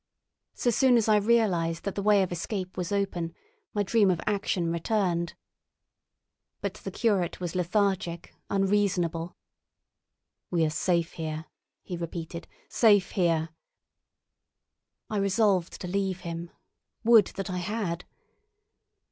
So soon as I realised that the way of escape was open, my dream of action returned. But the curate was lethargic, unreasonable. "We are safe here," he repeated; "safe here." I resolved to leave him—would that I had!